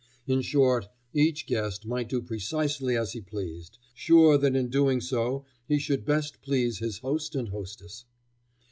In short, each guest might do precisely as he pleased, sure that in doing so he should best please his host and hostess.